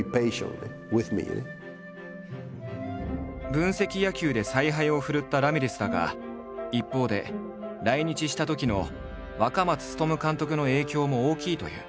分析野球で采配を振るったラミレスだが一方で来日したときの若松勉監督の影響も大きいという。